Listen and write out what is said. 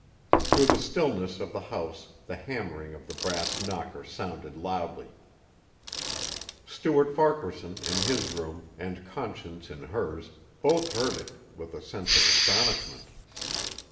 Through the stillness of the house the hammering of the brass knocker sounded loudly. Stuart Farquaharson in his room and Conscience in hers, both heard it, with a sense of astonishment.